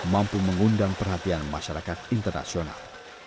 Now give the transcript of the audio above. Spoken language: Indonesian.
mampu mengundang perhatian masyarakat internasional